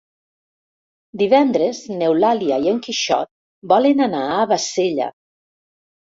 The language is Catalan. Divendres n'Eulàlia i en Quixot volen anar a Bassella.